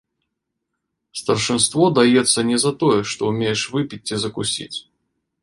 Старшынство даецца не за тое, што ўмееш выпіць ці закусіць.